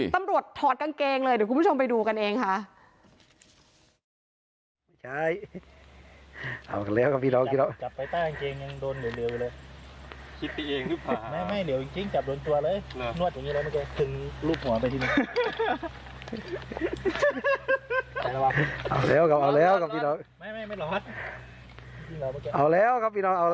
ถอดกางเกงเลยเดี๋ยวคุณผู้ชมไปดูกันเองค่ะ